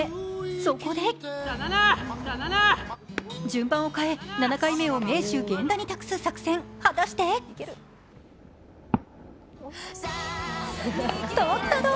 そこで順番を変え、７回目の名手・源田に託す作戦、果たして取ったどー！